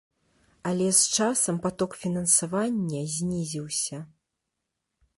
Але з часам паток фінансавання знізіўся.